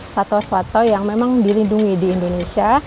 satwa satto yang memang dilindungi di indonesia